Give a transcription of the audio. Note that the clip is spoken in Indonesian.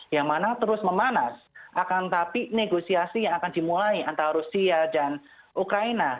yang mana terus memanas akan tapi negosiasi yang akan dimulai antara rusia dan ukraina